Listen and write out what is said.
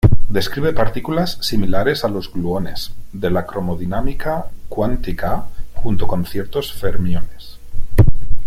Describe partículas similares a los gluones de la cromodinámica cuántica junto con ciertos fermiones.